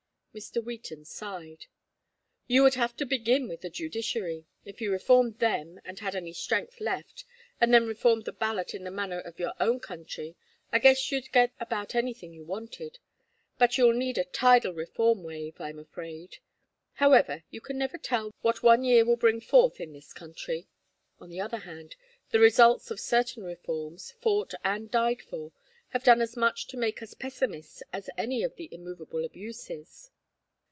Mr. Wheaton sighed. "You would have to begin with the judiciary. If you reformed them, and had any strength left, and then reformed the ballot in the manner of your own country, I guess you'd get about anything you wanted. But you'll need a tidal reform wave, I'm afraid. However, you never can tell what one year will bring forth in this country. On the other hand, the results of certain reforms, fought and died for, have done as much to make us pessimists as any of the immovable abuses.